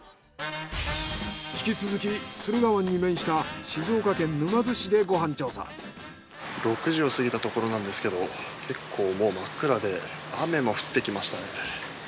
引き続き駿河湾に面した６時を過ぎたところなんですけど結構もう真っ暗で雨も降ってきましたね。